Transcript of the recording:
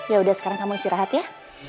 yaudah sekarang kamu istirahat ya